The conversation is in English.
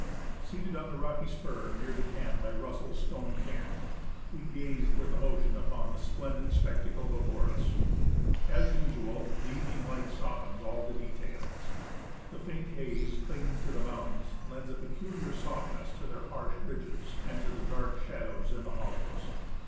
Seated on the rocky spur near the camp by Russell's stone cairn, we gaze with emotion upon the splendid spectacle before us. As usual, the evenincr light softens all the details. The faint haze clinging to the mountains lends a peculiar softness to III THE ASCENT OF MOUNT ST. ELIAS their harsh ridges and to the dark shadows in the hollows.